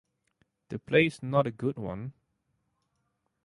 The play is not a good one.